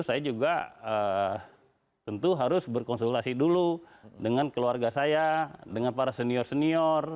saya juga tentu harus berkonsultasi dulu dengan keluarga saya dengan para senior senior